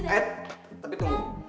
ed tapi tunggu